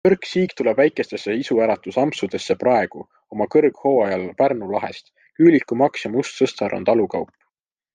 Hõrk siig tuleb väikestesse isuäratusampsudesse praegu, oma kõrghooajal Pärnu lahest, küülikumaks ja mustsõstar on talukaup.